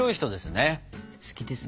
好きですね。